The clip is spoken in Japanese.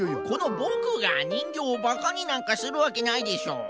このボクがにんぎょうをバカになんかするわけないでしょ。